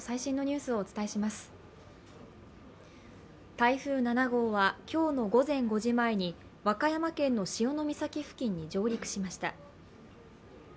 台風７号は今日の午前５時前に和歌山県の潮岬付近に上陸しました。